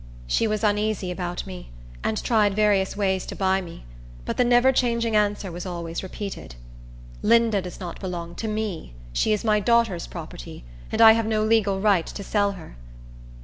She was uneasy about me, and tried various ways to buy me; but the never changing answer was always repeated: "Linda does not belong to me. She is my daughter's property, and I have no legal right to sell her."